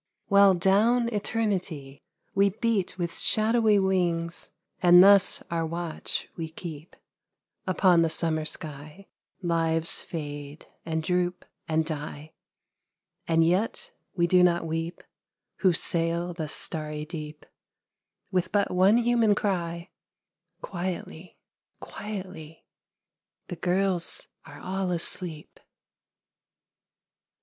While down eternity, We beat with shadowy wings. And thus our watch we keep, Upon the summer sky ; Lives fade and droop and die, And yet we do not weep, Who sail the starry deep, With but one human cry, "Quietly, quietly, The girls are all asleep